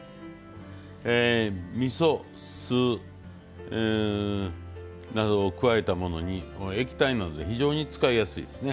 みそ酢などを加えたものに液体なので非常に使いやすいですね。